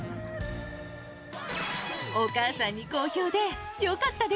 お母さんに好評でよかったで